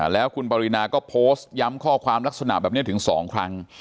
แล้วคุณปรินาก็โพสต์ย้ำข้อความลักษณะแบบนี้ถึง๒ครั้ง